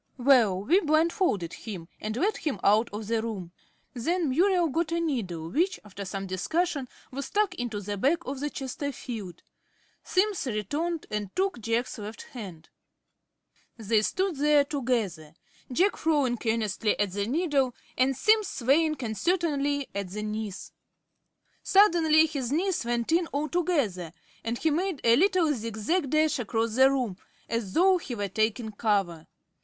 Well, we blindfolded him, and led him out of the room. Then Muriel got a needle, which, after some discussion, was stuck into the back of the Chesterfield. Simms returned and took Jack's left hand. They stood there together, Jack frowning earnestly at the needle, and Simms swaying uncertainly at the knees. Suddenly his knees went in altogether, and he made a little zig zag dash across the room, as though he were taking cover.